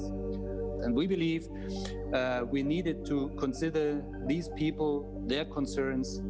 dan kami percaya kami perlu mempertimbangkan orang orang ini